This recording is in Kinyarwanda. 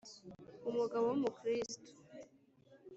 umugabo w'umukristu